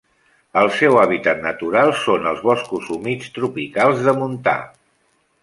El seu hàbitat natural són els boscos humits tropicals de montà.